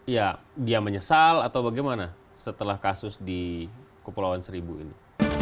ya dia menyesal atau bagaimana setelah kasus di kepulauan seribu ini